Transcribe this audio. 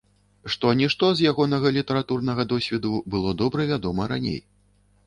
Што-нішто з ягонага літаратурнага досведу было добра вядома раней.